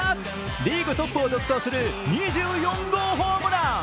リーグトップを独走する２４号ホームラン。